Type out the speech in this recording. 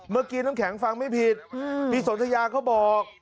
เมื่อกี้น้ำแข็งฟังไม่ผิดพี่สนทยาเขาบอก